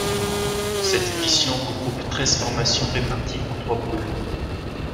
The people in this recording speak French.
Cette édition regroupe treize formations réparties en trois poules.